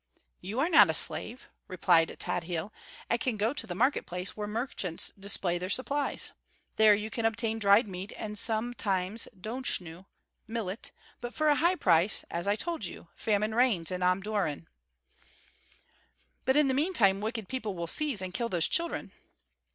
"You are not a slave," replied Tadhil, "and can go to the market place where merchants display their supplies. There you can obtain dried meat and sometimes dochnu (millet), but for a high price; as I told you, famine reigns in Omdurmân." "But in the meantime wicked people will seize and kill those children."